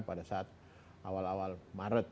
pada saat awal awal maret